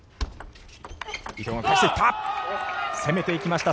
伊藤が返していった！